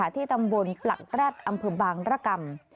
ที่ตำบลปลักแร็ดอำเภอบางรกรรม